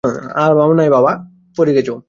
নিসার আলি চোখ বন্ধ করে বসে আছেন।